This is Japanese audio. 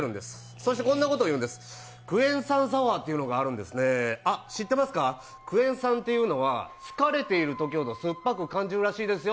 そしてこんなことを言うんです、クエン酸サワーっていうのがあるんですね、あっ、知ってますか、クエン酸っていうのは疲れているときほど酸っぱく感じるらしいですよ